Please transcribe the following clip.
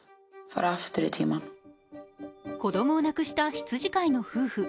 子供を亡くした羊飼いの夫婦。